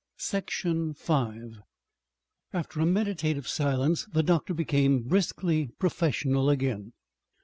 Section 5 After a meditative silence the doctor became briskly professional again.